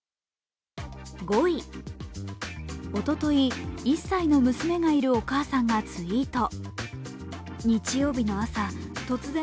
５位、おととい、１歳の娘がいるお母さんがツイート。